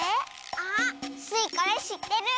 あスイこれしってる！